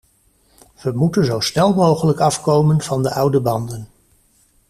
We moeten zo snel mogelijk afkomen van de oude banden.